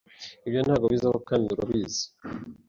Ibyo ntabwo bizabaho, kandi urabizi.